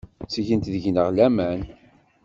Ttgent deg-neɣ laman.